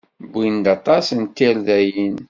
Wwin-d aṭas n tirdayin.